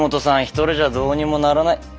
一人じゃどうにもならない。